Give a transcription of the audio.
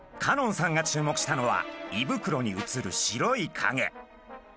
香音さんが注目したのは胃袋に写る白いかげ。